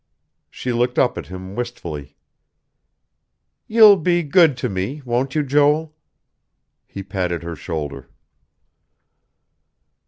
She looked up at him wistfully. "You'll be good to me, won't you, Joel?" He patted her shoulder.